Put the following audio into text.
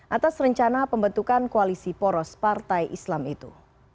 atas rencana pembentukan koalisi poros partai islam itu